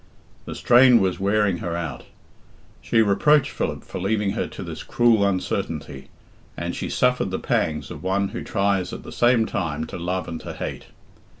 The strain was wearing her out. She reproached Philip for leaving her to this cruel uncertainty, and she suffered the pangs of one who tries at the same time to love and to hate.